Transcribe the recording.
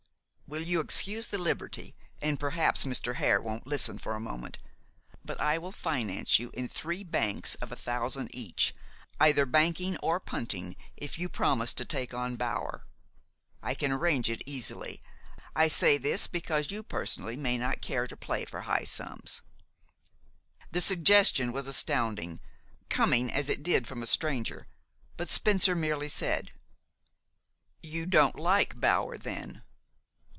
"Will you excuse the liberty, and perhaps Mr. Hare won't listen for a moment? but I will finance you in three banks of a thousand each, either banking or punting, if you promise to take on Bower. I can arrange it easily. I say this because you personally may not care to play for high sums." The suggestion was astounding, coming as it did from a stranger; but Spencer merely said: "You don't like Bower, then?"